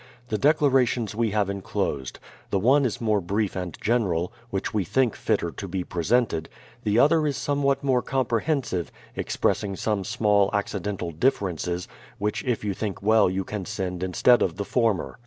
The declarations we have en closed. The one is more brief and general, which we think fitter to be presented; the other is somewhat more comprehensive, express ing some small accidental differences, which if you think well you can send instead of the former.